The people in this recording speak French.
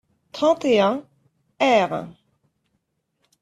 trente et un, r.